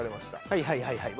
はいはいはいはい。